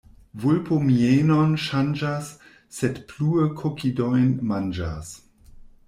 Vulpo mienon ŝanĝas, sed plue kokidojn manĝas.